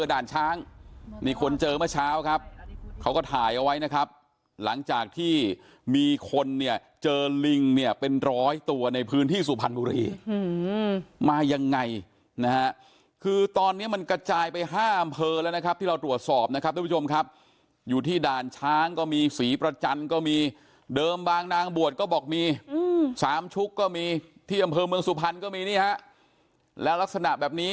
ด่านช้างนี่คนเจอเมื่อเช้าครับเขาก็ถ่ายเอาไว้นะครับหลังจากที่มีคนเนี่ยเจอลิงเนี่ยเป็นร้อยตัวในพื้นที่สุพรรณบุรีมายังไงนะฮะคือตอนนี้มันกระจายไป๕อำเภอแล้วนะครับที่เราตรวจสอบนะครับทุกผู้ชมครับอยู่ที่ด่านช้างก็มีศรีประจันทร์ก็มีเดิมบางนางบวชก็บอกมีสามชุกก็มีที่อำเภอเมืองสุพรรณก็มีนี่ฮะแล้วลักษณะแบบนี้